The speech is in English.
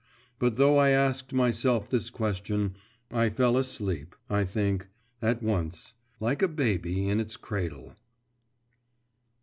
But though I asked myself this question, I fell asleep, I think, at once, like a baby in its cradle.